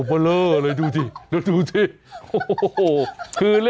ปวดเจ้าโอ้โฮปวดเจ้า